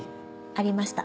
ありました